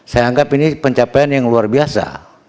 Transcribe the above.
saya anggap ini pencapaian yang luar biasa